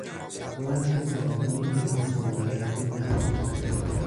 امیدوارم که سرطان او با عمل کردن خوب بشود.